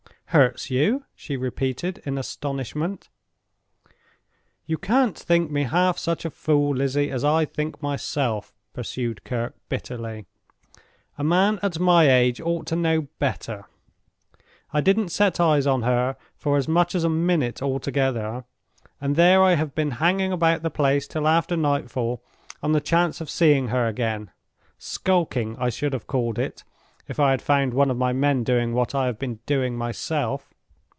"Hurts you?" she repeated, in astonishment. "You can't think me half such a fool, Lizzie, as I think myself," pursued Kirke, bitterly. "A man at my age ought to know better. I didn't set eyes on her for as much as a minute altogether; and there I have been hanging about the place till after nightfall on the chance of seeing her again—skulking, I should have called it, if I had found one of my men doing what I have been doing myself.